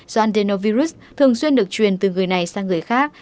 do adenovirus thường xuyên được truyền từ người này sang người khác